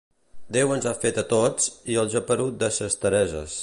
Déu ens ha fet a tots i al geperut de ses Tereses.